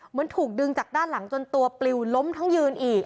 เหมือนถูกดึงจากด้านหลังจนตัวปลิวล้มทั้งยืนอีก